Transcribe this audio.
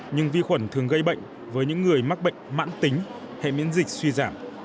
nhưng vi khuẩn thường gây bệnh với những người mắc bệnh mãn tính hệ miễn dịch suy giảm